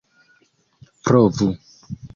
provu